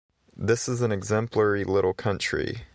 This is an exemplary little country.